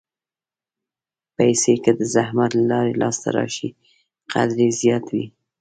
پېسې که د زحمت له لارې لاسته راشي، قدر یې زیات وي.